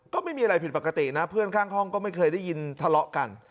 ก็ไม่มีอะไรผิดปกตินะเพื่อนข้างห้องก็ไม่เคยได้ยินทะเลาะกัน